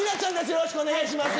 よろしくお願いします。